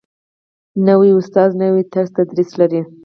نوی ښوونکی نوی طرز تدریس لري